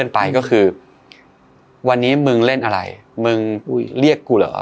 ไปก็คือวันนี้มึงเล่นอะไรมึงเรียกกูเหรอ